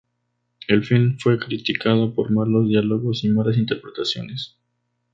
El film fue criticado por malos diálogos y malas interpretaciones.